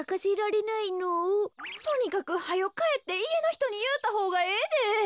とにかくはよかえっていえのひとにいうたほうがええで。